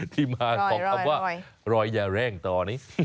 ที่มาของคำว่ารอยอย่าเร่งตอนนี้